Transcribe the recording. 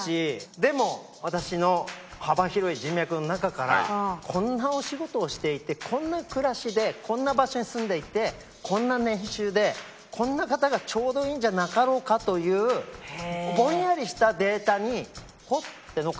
でも私の幅広い人脈の中からこんなお仕事をしていてこんな暮らしでこんな場所に住んでいてこんな年収でこんな方がちょうどいいんじゃなかろうかというぼんやりしたデータにポッてのっかってきた人が１人いたんで。